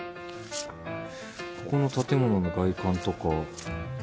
この建物の外観とか。